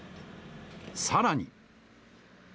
さらに。